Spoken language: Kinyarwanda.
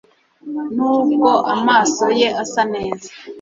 nubwo amaso ye asa neza